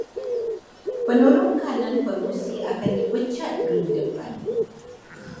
Penolong kanan pengerusi akan dipecat minggu depan.